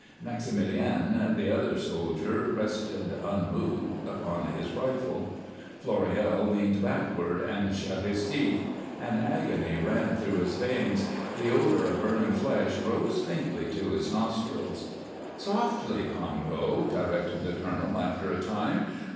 Maximilien, the other soldier, rested unmoved upon his rifle. Floréal leaned backward, and shut his teeth; an agony ran through his veins. The odor of burning flesh rose faintly to his nostrils. "Softly, Congo," directed the colonel, after a time.